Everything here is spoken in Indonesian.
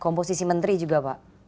komposisi menteri juga pak